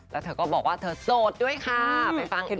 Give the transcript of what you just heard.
แล้วเธอก็บอกว่าเธอโสดด้วยค่ะไปฟังกันค่ะ